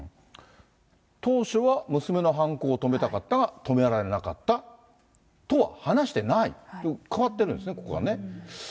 当初は娘の犯行を止めたかったが止められなかったとは話してない、変わってるんですね、ここは。